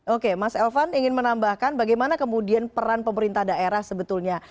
oke mas elvan ingin menambahkan bagaimana kemudian peran pemerintah daerah sebetulnya